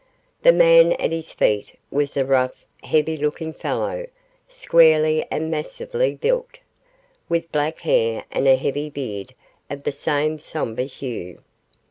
The man at his feet was a rough, heavy looking fellow, squarely and massively built, with black hair and a heavy beard of the same sombre hue.